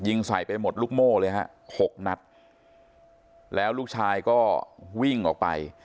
ใส่ไปหมดลูกโม่เลยฮะหกนัดแล้วลูกชายก็วิ่งออกไป